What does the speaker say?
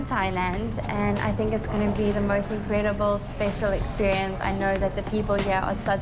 ในการประกาศและในความรู้สึกที่สุดและในความรู้สึกที่สุด